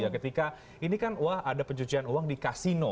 ketika ini kan wah ada pencucian uang di kasino